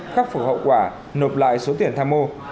khắc phục hậu quả nộp lại số tiền tham mưu